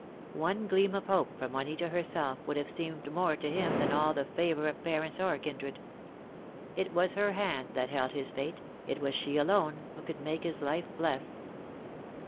One gleam of hope from Juanita herself would have seemed more to him than all the favour of parents or kindred. It was her hand that held his fate: it was she alone who could make his life blessed.